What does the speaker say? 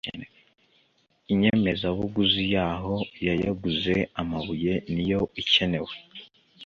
Inyemezabuguzi y’ aho yayaguze amabuye niyo icyenewe